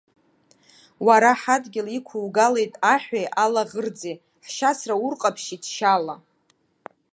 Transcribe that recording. Уара ҳадгьыл иқәугалеит аҳәеи алаӷырӡи, ҳшьацра урҟаԥшьит шьала.